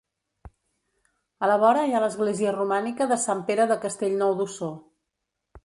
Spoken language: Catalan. A la vora hi ha l'església romànica de Sant Pere de Castellnou d'Ossó.